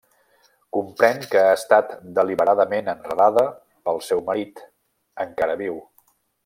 Comprèn que ha estat deliberadament enredada pel seu marit, encara viu.